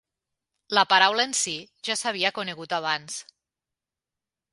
La paraula en sí ja s'havia conegut abans.